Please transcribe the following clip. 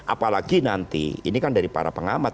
apalagi nanti ini kan dari para pengamat